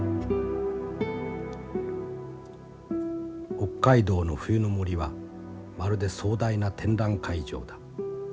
「北海道の冬の森はまるで壮大な展覧会場だ。